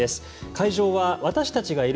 会場は、私たちがいる